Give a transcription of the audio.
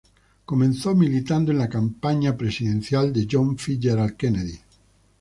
Comenzó militando en la campaña presidencial de John F. Kennedy.